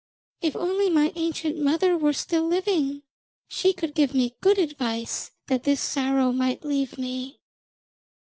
If only my ancient mother were still living, she could give me good advice that this sorrow might leave me.'